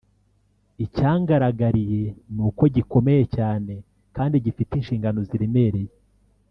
icyangaragariye ni uko gikomeye cyane kandi gifite inshingano ziremereye